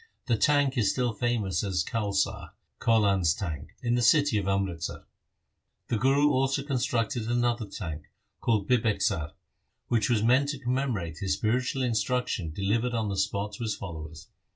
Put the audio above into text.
The tank is still famous as Kaulsar 1 (Kaulan's tank) in the city of Amritsar. The Guru also constructed another tank called Bibeksar, which was meant to commemorate his spiritual instruction delivered on the spot to his followers.